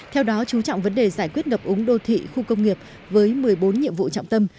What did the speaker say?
theo đó chú trọng vấn đề giải quyết ngập úng đô thị khu công nghiệp với một mươi bốn nhiệm vụ trọng tâm